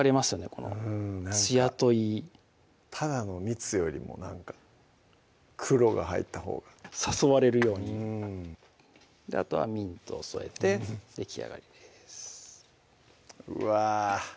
このつやといいただの蜜よりもなんか黒が入ったほうが誘われるようにうんあとはミントを添えてできあがりですうわ